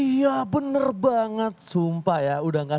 iya bener banget sumpah ya